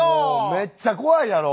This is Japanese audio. めっちゃ怖いやろ。